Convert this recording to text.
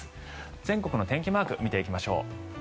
全国の天気マークを見ていきましょう。